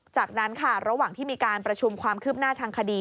จากนั้นค่ะระหว่างที่มีการประชุมความคืบหน้าทางคดี